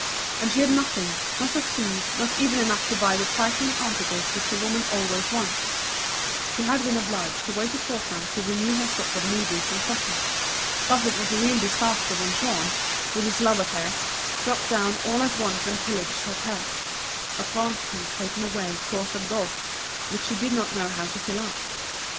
And she had nothing, not a sou, not even enough to buy the trifling articles which a woman always wants; she had been obliged to wait a fortnight to renew her stock of needles and cotton. Thus it was a real disaster when Jean, with his love affairs, dropped down all at once and pillaged her purse. A franc piece taken away caused a gulf which she did not know how to fill up.